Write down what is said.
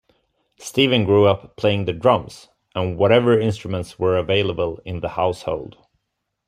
Steven grew up playing the drums and whatever instruments were available in the household.